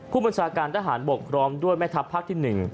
ผู้บัญชาการทหารบกพร้อมด้วยแม่ทัพภาคที่๑